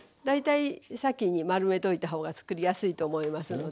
大体先に丸めといた方が作りやすいと思います。